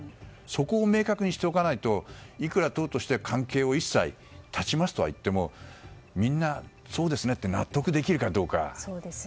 そこを明確にしないといくら党として、関係を一切断ちますとはいってもみんなそうですねと納得できるかどうか。